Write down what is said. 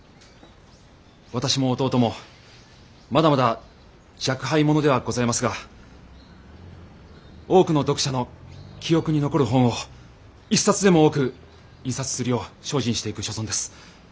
私も弟もまだまだ若輩者ではございますが多くの読者の記憶に残る本を一冊でも多く印刷するよう精進していく所存です。